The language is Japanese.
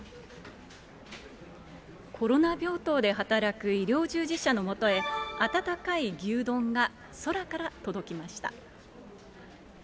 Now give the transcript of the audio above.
コロナ病棟で働く医療従事者のもとへ、温かい牛丼が空から届きました。